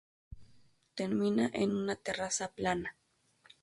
Termina en una terraza plana.